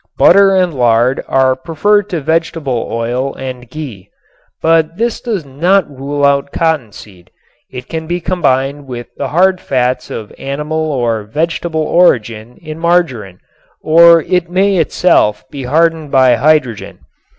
Butter and lard are preferred to olive oil and ghee. But this does not rule out cottonseed. It can be combined with the hard fats of animal or vegetable origin in margarine or it may itself be hardened by hydrogen.